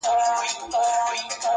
• چي یوه ژبه لري هغه په دار دی..